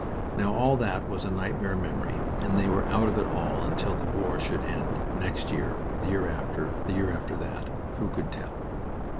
Now, all that was a nightmare memory, and they were out of it all until the war should end, next year, the year after, the year after that who could tell?